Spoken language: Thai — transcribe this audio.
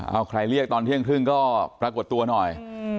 เอาใครเรียกตอนเที่ยงครึ่งก็ปรากฏตัวหน่อย